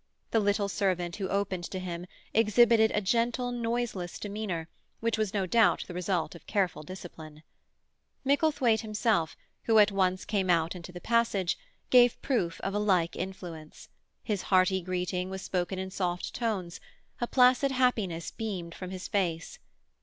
The little servant who opened to him exhibited a gentle, noiseless demeanour which was no doubt the result of careful discipline. Micklethwaite himself, who at once came out into the passage, gave proof of a like influence; his hearty greeting was spoken in soft tones; a placid happiness beamed from his face.